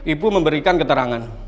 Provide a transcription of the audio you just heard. ibu memberikan keterangan